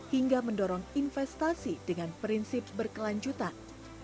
hingga mendorong investasi dengan prinsip berkelanjutan